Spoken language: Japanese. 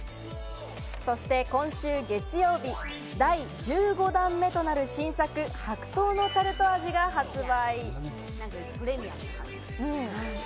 そして今週月曜日、第１５弾目となる新作、白桃のタルト味が発売。